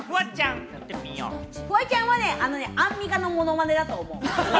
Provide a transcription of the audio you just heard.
フワちゃんはね、アンミカのモノマネだと思う。